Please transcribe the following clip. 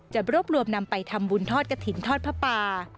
จะรวบนำไปทำบุญทอดกระถิ่นทอดพระปา